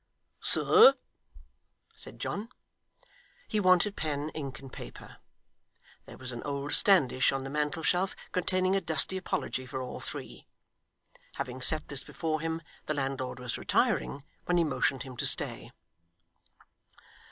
'Sir,' said John. He wanted pen, ink, and paper. There was an old standish on the mantelshelf containing a dusty apology for all three. Having set this before him, the landlord was retiring, when he motioned him to stay.